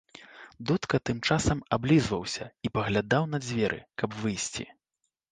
Дудка тым часам аблізваўся і паглядаў на дзверы, каб выйсці.